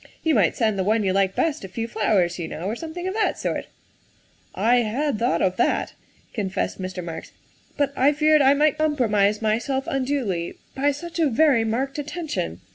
You might send the one you like best a few flowers, you know, or something of that sort." " I had thought of that," confessed Mr. Marks, " but I feared I might compromise myself unduly by such a 80 THE WIFE OF very marked attention.